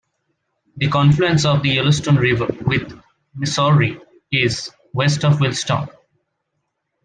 The confluence of the Yellowstone River with the Missouri is west of Williston.